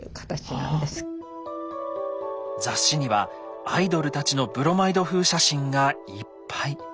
雑誌にはアイドルたちのブロマイド風写真がいっぱい。